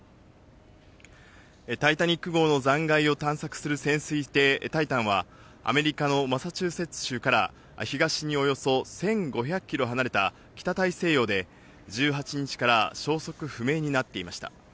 タイタニック号の残骸を探索する潜水艇タイタンは、アメリカのマサチューセッツ州から東におよそ１５００キロ離れた北大西洋で、１８日から消息不明になっていました。